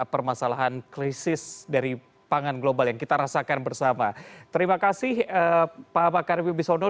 permasalahan krisis dari pangan global yang kita rasakan bersama terima kasih pak pakar bibisono